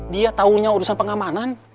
dia tahunya urusan pengamanan